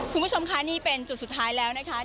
คุณผู้ชมค่ะนี่เป็นจุดสุดท้ายแล้วนะคะ